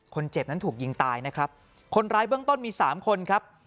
คนเจ็บนั้นถูกยิงตายนะครับคนร้ายเบื้องต้นมีสามคนครับ